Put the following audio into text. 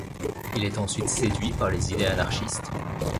Il est ensuite séduit par les idées anarchistes.